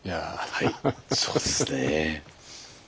はいそうですね。